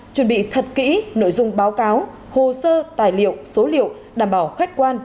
chuẩn bị thật kỹ nội dung báo cáo hồ sơ tài liệu số liệu đảm bảo khách quan